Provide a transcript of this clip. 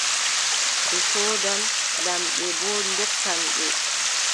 O soodan, lamɓe boo ndonkan ɓe.